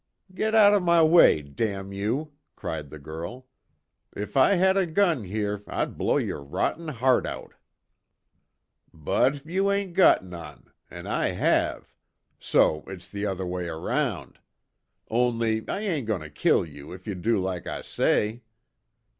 "Get out of my way! Damn you!" cried the girl, "If I had a gun here, I'd blow your rotten heart out!" "But, you ain't got none an' I have so it's the other way around. Only I ain't goin' to kill you, if you do like I say.